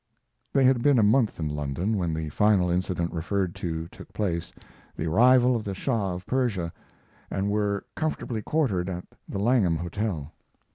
They had been a month in London, when the final incident referred to took place the arrival of the Shah of Persia and were comfortably quartered at the Langham Hotel.